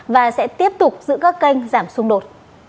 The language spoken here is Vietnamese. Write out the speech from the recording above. và sẽ tiếp tục giữ các kênh giảm xung đột